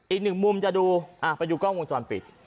อีกนึงมุมจะดูเอ้าไปอยู่กล้องวงชวนต่อไป